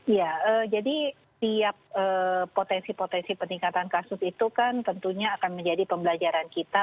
ya jadi setiap potensi potensi peningkatan kasus itu kan tentunya akan menjadi pembelajaran kita